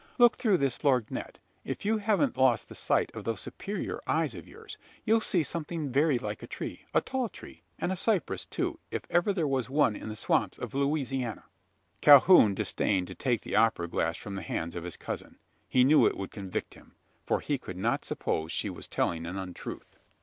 "Look through this lorgnette! If you haven't lost the sight of those superior eyes of yours, you'll see something very like a tree a tall tree and a cypress, too, if ever there was one in the swamps of Louisiana." Calhoun disdained to take the opera glass from the hands of his cousin. He knew it would convict him: for he could not suppose she was telling an untruth.